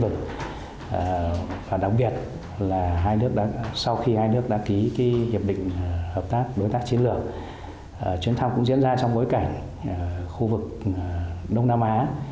trong thời gian qua chuyến thăm cũng diễn ra trong bối cảnh khu vực đông nam á